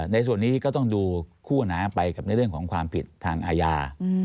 ในส่วนนี้ก็ต้องดูคู่หนาไปกับในเรื่องของความผิดทางอาญา